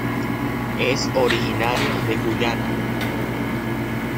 Es originario de Guyana.